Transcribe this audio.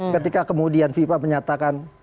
ketika kemudian fifa menyatakan